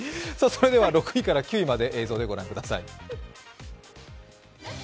６位から９位まで映像で御覧ください。